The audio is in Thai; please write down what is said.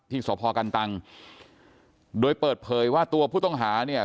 ที่สภอกรรดุการต่างโดยเปิดเผยว่าตัวผู้ต้องหาเนี่ย